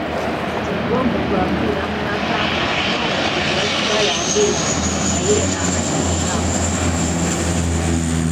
Singa omuntu akulira mu maka ng'okunywa omwenge tebakitwala ng'ekivve naye aba tagulinaako buzibu.